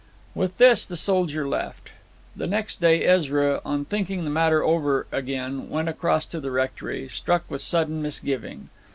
With this the soldier left. The next day Ezra, on thinking the matter over, again went across to the rectory, struck with sudden misgiving.